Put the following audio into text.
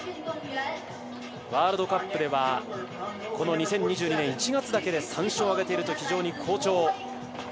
ワールドカップでは２０２２年１月だけで３勝を挙げている、非常に好調。